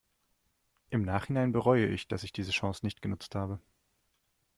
Im Nachhinein bereue ich, dass ich diese Chance nicht genutzt habe.